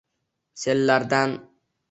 sellardan